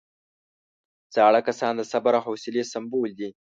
زاړه کسان د صبر او حوصلې سمبول دي